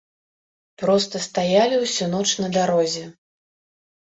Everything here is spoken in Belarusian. Проста стаялі ўсю ноч на дарозе.